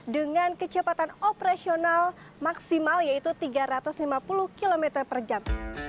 dengan kecepatan operasional maksimal yaitu tiga ratus lima puluh km per jam